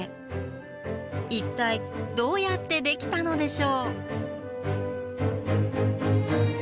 一体どうやってできたのでしょう？